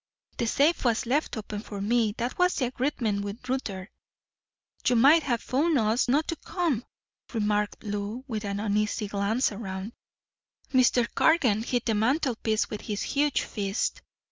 The safe was left open for me. That was the agreement with Rutter." "You might have phoned us not to come," remarked Lou, with an uneasy glance around. Mr. Cargan hit the mantelpiece with his huge fist.